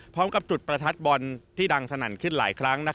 พร้อมกับจุดประทัดบอลที่ดังสนั่นขึ้นหลายครั้ง